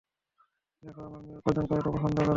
দেখো, আমার মেয়ে উপার্জন করাটা পছন্দ করে।